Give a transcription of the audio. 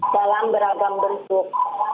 dalam beragam bentuk